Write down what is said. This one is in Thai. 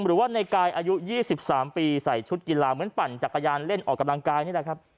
หรือว่าในกายอายุ๒๓ปีใส่ชุดกีฬาเหมือนปั่นจักรยานเล่นออกกำลังกายนี่แหละครับ